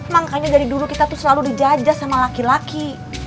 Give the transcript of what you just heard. makanya dari dulu kita tuh selalu dijajah sama laki laki